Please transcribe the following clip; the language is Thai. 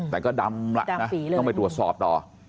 แต่ก็ดำละนะต้องไปตรวจสอบต่อ